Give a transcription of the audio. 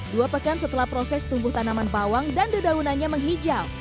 dua pekan setelah proses tumbuh tanaman bawang dan dedaunannya menghijau